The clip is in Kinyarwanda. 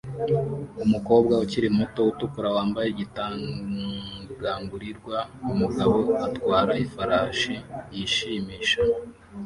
Umukobwa ukiri muto utukura wambaye Igitagangurirwa-Umugabo atwara ifarashi yishimisha